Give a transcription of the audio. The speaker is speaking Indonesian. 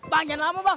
bang jangan lama bang